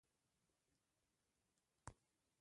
یو دا چې دیني وظیفه ترسره کوي.